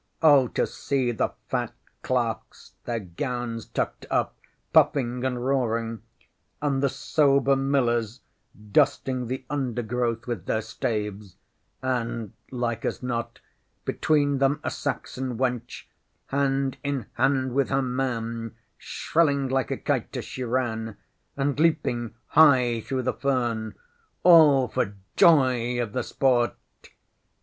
Oh, to see the fat clerks, their gowns tucked up, puffing and roaring, and the sober millers dusting the under growth with their staves; and, like as not, between them a Saxon wench, hand in hand with her man, shrilling like a kite as she ran, and leaping high through the fern, all for joy of the sport.